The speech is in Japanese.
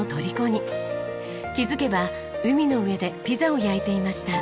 気づけば海の上でピザを焼いていました。